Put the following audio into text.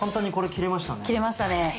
切れましたね。